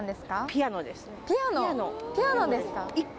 ピアノですか。